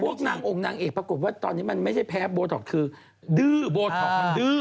นางองค์นางเอกปรากฏว่าตอนนี้มันไม่ใช่แพ้โบท็อกคือดื้อโบท็อกมันดื้อ